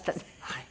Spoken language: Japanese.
はい。